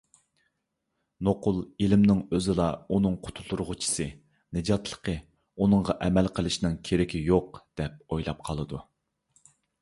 نوقۇل ئىلىمنىنڭ ئۆزىلا ئۇنىڭ قۇتۇلدۇرغۇچىسى، نىجاتلىقى، ئۇنىڭغا ئەمەل قىلىشنىڭ كېرىكى يوق، دەپ ئويلاپ قالىدۇ.